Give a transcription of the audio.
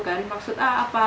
kan maksud apa